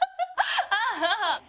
ああ！